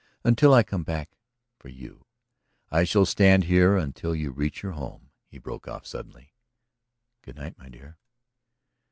Until I come back for you! ... I shall stand here until you reach your home," he broke off suddenly. "Good night, my dear."